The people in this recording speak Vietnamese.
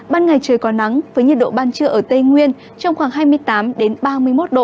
ban ngày trời có nắng với nhiệt độ ban trưa ở tây nguyên trong khoảng hai mươi tám ba mươi một độ